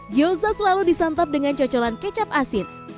gyoza selalu disantap dengan cocolan kecap asin